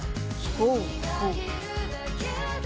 ほうほう。